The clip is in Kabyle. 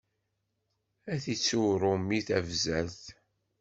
Ad ittu uṛumi tabzert.